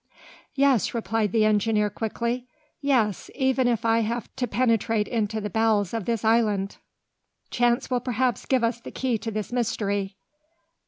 "Yes!" replied the engineer quickly, "yes, even if I have to penetrate into the bowels of this island!" "Chance will perhaps give us the key to this mystery!"